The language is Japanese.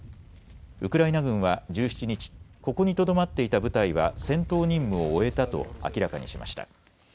ウクライナ軍は１７日、ここにとどまっていた部隊は戦闘任務を終えたと明らかにしました。